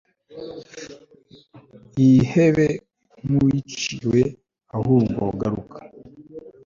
wihebe nk'uwaciwe, ahubwo garuka